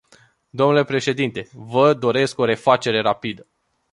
Domnule președinte, vă doresc o refacere rapidă.